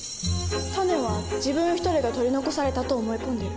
タネは自分一人が取り残されたと思い込んでいる。